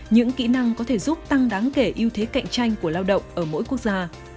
những kỹ năng có thể giúp tăng đáng kể ưu thế cạnh tranh của lao động ở mỗi quốc gia